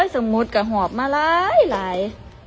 สมมติแค่หมอบมาลาย